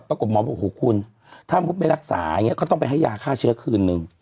พระกบหมอบอกโหมนไม่รักษาอย่างงี้เขาต้องไปให้ยาฆ่าเชื้อคลื่นนึง